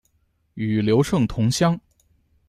与刘胜同乡。